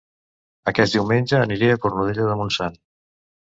Aquest diumenge aniré a Cornudella de Montsant